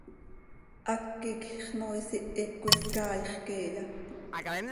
¿Háqui quij xnoois ihic coi scaaix queeya?